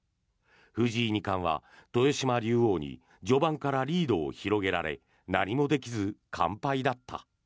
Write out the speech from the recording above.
藤井二冠は豊島竜王に序盤からリードを広げられ何もできず完敗だった。